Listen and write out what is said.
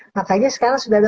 makanya sekarang sudah ada